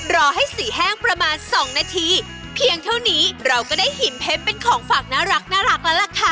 รอให้สีแห้งประมาณสองนาทีเพียงเท่านี้เราก็ได้หินเพชรเป็นของฝากน่ารักแล้วล่ะค่ะ